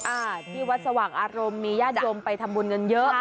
อ่าที่วัดสว่างอารมณ์มีญาติโยมไปทำบุญกันเยอะ